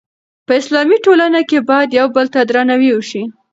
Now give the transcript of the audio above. په اسلامي ټولنه کې باید یو بل ته درناوی وشي.